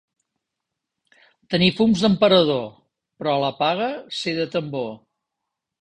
Tenir fums d'emperador, però la paga ser de tambor.